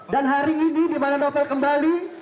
dan hari ini dimana novel kembali